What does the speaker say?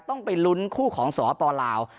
ต้องไปลุ้นคู่ของสปลาว